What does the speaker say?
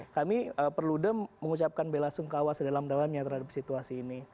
kami perludem mengucapkan bela sungkawa sedalam dalamnya terhadap situasi ini